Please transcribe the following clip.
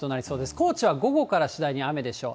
高知は午後から次第に雨でしょう。